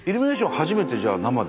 初めてじゃあ生で。